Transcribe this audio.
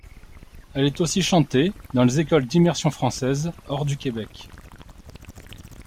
Elle est aussi chantée dans les écoles d'immersion française hors du Québec.